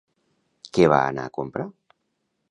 Què va anar a comprar?